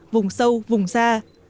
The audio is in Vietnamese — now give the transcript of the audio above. vùng sâu vùng xa